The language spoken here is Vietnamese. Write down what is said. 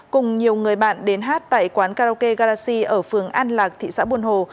cùng nhiều người bạn đến hát tại quán karaoke galaxy ở phường an lạc thị xã buồn hồ